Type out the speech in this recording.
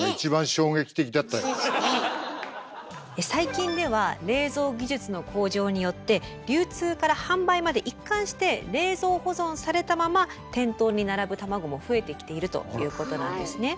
最近では冷蔵技術の向上によって流通から販売まで一貫して冷蔵保存されたまま店頭に並ぶ卵も増えてきているということなんですね。